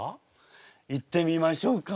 行ってみましょうか。